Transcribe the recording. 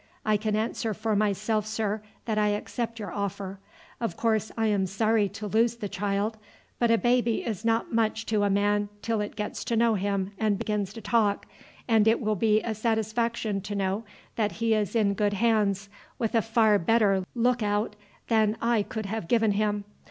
I can answer for myself, sir, that I accept your offer. Of course, I am sorry to lose the child; but a baby is not much to a man till it gets to know him and begins to talk, and it will be a satisfaction to know that he is in good hands, with a far better look out than I could have given him.